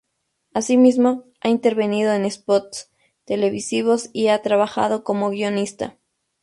Asimismo, ha intervenido en spots televisivos y ha trabajado como guionista.